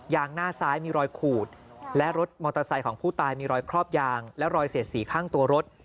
หน้าซ้ายมีรอยขูดและรถมอเตอร์ไซค์ของผู้ตายมีรอยครอบยางและรอยเสียดสีข้างตัวรถ